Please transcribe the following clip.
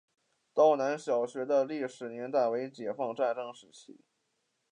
道南小学的历史年代为解放战争时期。